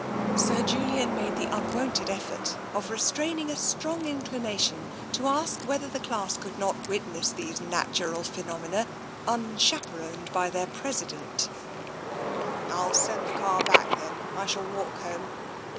Sir Julian made the unwonted effort of restraining a strong inclination to ask whether the class could not witness these natural phenomena unchaperoned by their president. I will send the car back, then. I shall walk home."